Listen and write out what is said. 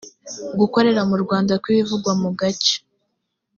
gukorera mu rwanda kw ibivugwa mu gace